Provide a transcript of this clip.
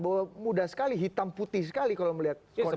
bahwa mudah sekali hitam putih sekali kalau melihat kondisi